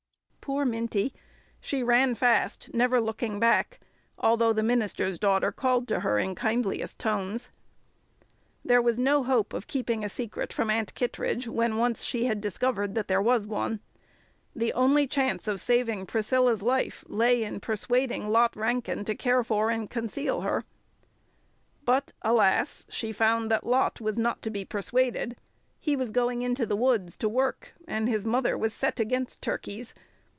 Poor Minty! She ran fast, never looking back, although the minister's daughter called to her in kindliest tones. There was no hope of keeping a secret from Aunt Kittredge when once she had discovered that there was one. The only chance of saving Priscilla's life lay in persuading Lot Rankin to care for and conceal her. But, alas! she found that Lot was not to be persuaded. He was going into the woods to work, and his mother was "set against turkeys."